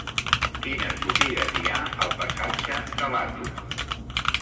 Quines botigues hi ha al passatge de l'Àtom?